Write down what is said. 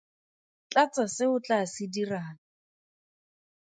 Tlatsa se o tlaa se dirang.